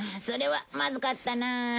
それはまずかったなあ。